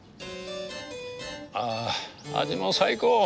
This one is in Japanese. あ味も最高。